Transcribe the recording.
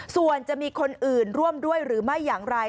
ส่วนจะมีคนอื่นร่วมด้วยหรือไม่อย่างไร